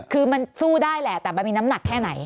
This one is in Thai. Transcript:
คือมันสู้ได้แหละแต่มันมีน้ำหนักแค่ไหน